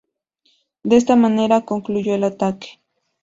De esta manera concluyó el ataque.